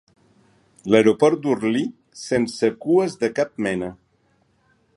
L'aeroport d'Orly sense cues de cap mena.